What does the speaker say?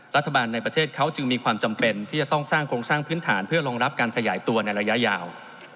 รัฐบาลในประเทศเขาจึงมีความจำเป็นที่จะต้องสร้างโครงสร้างพื้นฐานเพื่อรองรับการขยายตัวในระยะยาว